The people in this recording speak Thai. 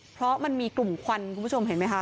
เพราะมันมีกลุ่มควันคุณผู้ชมเห็นไหมคะ